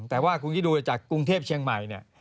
แต่ว่าคุณคิดดูจากกรุงเทพเชียงใหม่เนี่ย